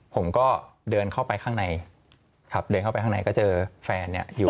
ผมก็เดินเข้าไปข้างในครับเดินเข้าไปข้างในก็เจอแฟนเนี่ยอยู่